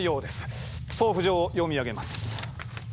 送付状を読み上げます。